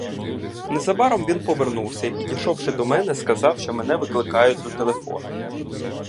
Незабаром він повернувся і, підійшовши до мене, сказав, що мене викликають до телефону.